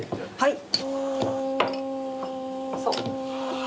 はい。